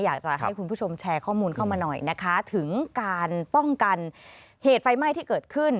อยากจะให้คุณผู้ชมแชร์ข้อมูลเข้ามาหน่อยนะคะถึงการป้องกันเหตุไฟไหม้ที่เกิดขึ้น